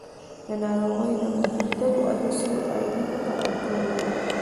دا ناروغي د محدبو عدسیو عینکو ته اړتیا لري.